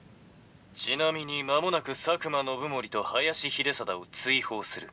「ちなみに間もなく佐久間信盛と林秀貞を追放する」。